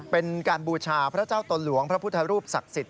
เป็นการบูชาพระเจ้าตนหลวงพระพุทธรูปศักดิ์สิทธิ